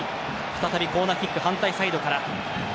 再びコーナーキック反対サイドから。